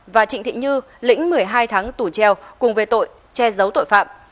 và trịnh thị như lĩnh một mươi hai tháng tù treo cùng về tội che giấu tội phạm